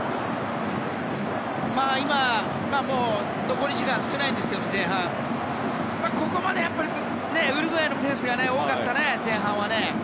残り時間が少ないですがここまでウルグアイのペースが多かったね、前半は。